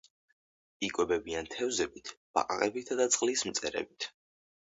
იკვებებიან თევზებით, ბაყაყებითა და წყლის მწერებით.